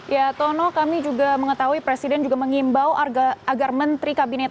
ya tono kami juga mengetahui presiden juga mengimbau agar menteri kabinet